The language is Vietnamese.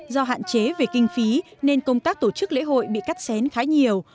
do hạn chế về kinh phí nên công tác tổ chức lễ hội bị cắt xén khá nhiều